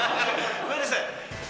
ごめんなさい。